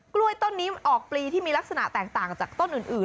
กล้วยต้นนี้มันออกปลีที่มีลักษณะแตกต่างจากต้นอื่น